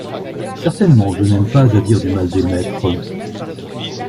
Certainement, je n’aime pas à dire du mal des maîtres…